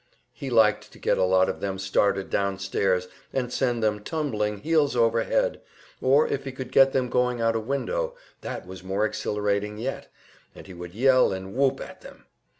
He liked to get a lot of them started downstairs and send them tumbling heels over head; or if he could get them going out a window, that was more exhilarating yet, and he would yell and whoop at them.